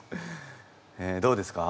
どうですか？